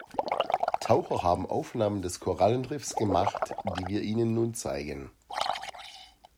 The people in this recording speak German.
Taucher haben Aufnahmen des Korallenriffs gemacht, die wir Ihnen nun zeigen.